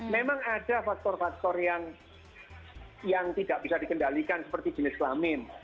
memang ada faktor faktor yang tidak bisa dikendalikan seperti jenis kelamin